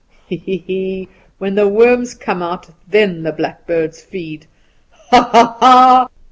He, he, he! When the worms come out then the blackbirds feed. Ha, ha, ha!"